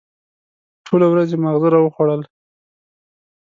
ټوله ورځ یې ماغزه را وخوړل.